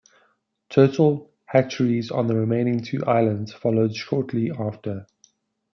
Turtle hatcheries on the remaining two islands followed shortly after.